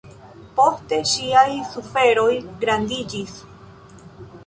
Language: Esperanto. Poste, ŝiaj suferoj grandiĝis.